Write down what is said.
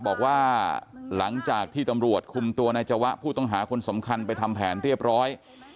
บอกว่าหลังจากที่ตำรวจคุมตัวนายจวะผู้ต้องหาคนสำคัญไปทำแผนเรียบร้อย